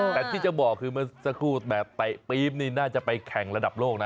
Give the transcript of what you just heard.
แต่ที่ว่าสักครู่ไปบ้านไปปี๊บน่าจะจะไปแข่งระดับโรคนะ